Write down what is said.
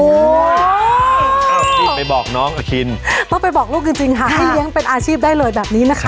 รีบไปบอกน้องอคินต้องไปบอกลูกจริงค่ะให้เลี้ยงเป็นอาชีพได้เลยแบบนี้นะคะ